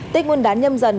tết nguyên đán nhâm dần